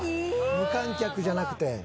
無観客じゃなくて。